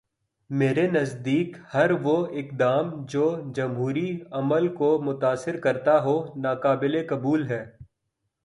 میرے نزدیک ہر وہ اقدام جو جمہوری عمل کو متاثر کرتا ہو، ناقابل قبول ہے۔